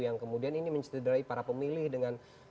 yang kemudian ini mencederai para pemilih dengan